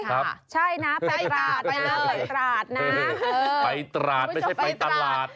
ใช่นะไปตราดไปเลยไปตราดนะไปตราดไม่ใช่ไปตลาด